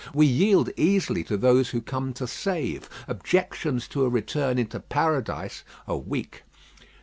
We yield easily to those who come to save. Objections to a return into Paradise are weak.